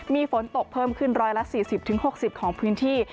มีฝนตกเพิ่มขึ้น๑๔๐๖๐ของพื้นที่